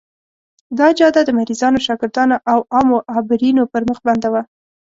دا جاده د مریضانو، شاګردانو او عامو عابرینو پر مخ بنده وه.